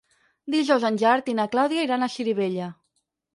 Dijous en Gerard i na Clàudia iran a Xirivella.